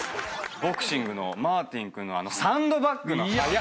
ボクシングのマーティン君のサンドバッグの早打ち。